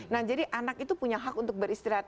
nah jadi anak itu punya hak untuk beristirahat